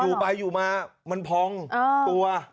อยู่ไปอยู่มามันพองตัว